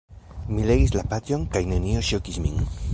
Mi legis la paĝon kaj nenio ŝokis min.